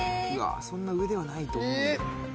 そんな上ではないと思う。